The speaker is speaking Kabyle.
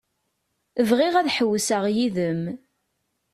Bɣiɣ ad ḥewwseɣ yid-m.